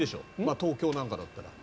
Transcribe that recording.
東京なんかだったら。